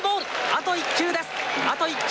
あと１球です。